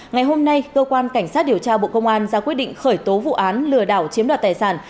ngày hôm nay cơ quan cảnh sát điều tra bộ công an ra quyết định khởi tố vụ án lừa đảo chiếm đoạt tài sản